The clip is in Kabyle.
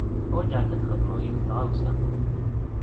Uḥwaǧeɣ-k ad txedmeḍ yiwet n tɣawsa.